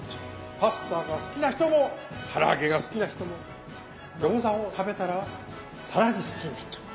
パスタが好きな人もからあげが好きな人も餃子を食べたら更に好きになっちゃう。